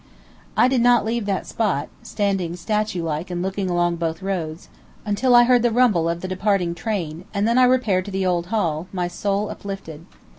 I did not leave that spot standing statue like and looking along both roads until I heard the rumble of the departing train, and then I repaired to the Old Hall, my soul uplifted.